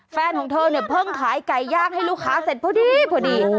แฟนของเธอเพิ่งขายไก่ย่างให้ลูกค้าเสร็จพอดี